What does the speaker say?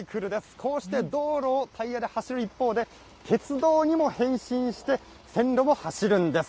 こうして道路をタイヤで走る一方で、鉄道にも変身して、線路も走るんです。